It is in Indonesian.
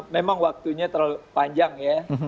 memang waktunya terlalu panjang ya